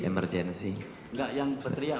emergensi enggak yang berteriak